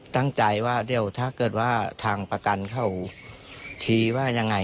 ตั้งใจว่าเดี๋ยวถ้าเกิดว่าทางประกันเขาชี้ว่ายังไง